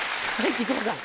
木久扇さん。